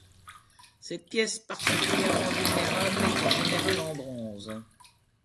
Cette pièce particulièrement vulnérable est en général en bronze.